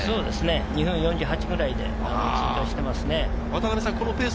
２分４８くらいで通過してますね。